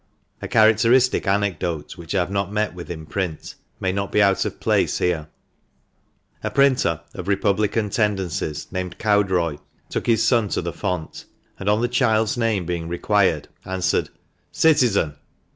A characteristic anecdote, which I have not met with in print, may not be out of place here. A printer, of Republican tendencies, named Cowdroy, took his son to the font, and on the child's name being required, answered "Citizen!"